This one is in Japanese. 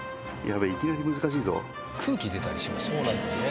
空気出たりしますよね。